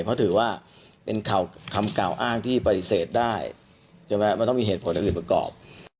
เพราะถือว่าเป็นคำกล่าวอ้างที่ปฏิเสธได้ใช่ไหมมันต้องมีเหตุผลอื่นประกอบ